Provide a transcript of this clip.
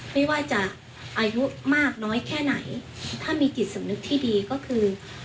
ไม่ว่าจะอายุมากน้อยแค่ไหนถ้ามีจิตสำนึกที่ดีก็คือ